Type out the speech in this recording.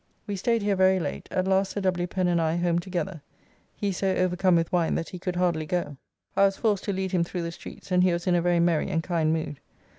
We staid here very late, at last Sir W. Pen and I home together, he so overcome with wine that he could hardly go; I was forced to lead him through the streets and he was in a very merry and kind mood.